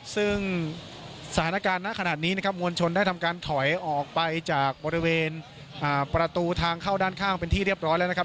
ซึ่งสถานการณ์ณขนาดนี้นะครับมวลชนได้ทำการถอยออกไปจากบริเวณประตูทางเข้าด้านข้างเป็นที่เรียบร้อยแล้วนะครับ